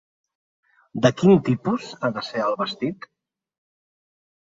De quin tipus ha de ser el vestit?